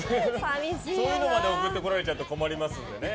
そういうのまで送ってこられちゃうと困りますのでね。